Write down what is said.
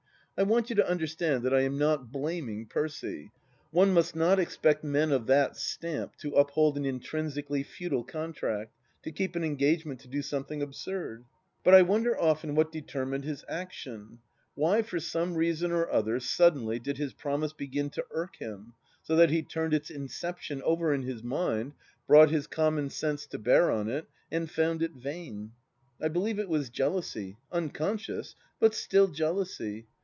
I want you to understand that I am not blaming Percy. One must not expect men of that stamp to uphold an intrinsically futile contract, to keep an engagement to do something absurd. But I wonder, often, what determined his action ? Why for some reason or other suddenly did his promise begin to irk him, so that he turned its inception over in his mind, brought his common sense to bear on it, and found it vain T I believe it was jealousy — unconscious ; but still jealousy.